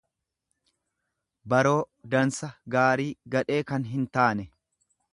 baroo, dansa, gaarii, gadhee kan hin taane.